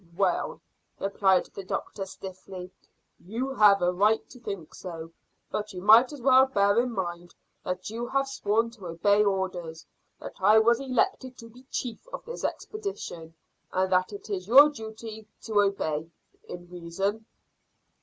"Well," replied the doctor stiffly, "you have a right to think so, but you might as well bear in mind that you have sworn to obey orders, that I was elected to be chief of this expedition, and that it is your duty to obey in reason."